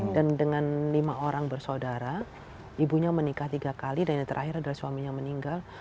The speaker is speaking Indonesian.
dan dengan lima orang bersaudara ibunya menikah tiga kali dan yang terakhir adalah suaminya meninggal